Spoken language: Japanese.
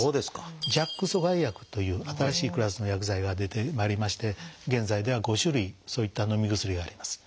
「ＪＡＫ阻害薬」という新しいクラスの薬剤が出てまいりまして現在では５種類そういったのみ薬があります。